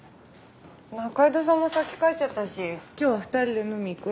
仲井戸さんも先帰っちゃったし今日は２人で飲みに行く？